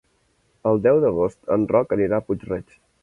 El deu d'agost en Roc anirà a Puig-reig.